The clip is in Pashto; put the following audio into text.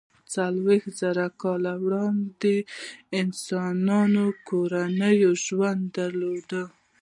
څلویښت زره کاله وړاندې انسانانو کورنی ژوند درلود.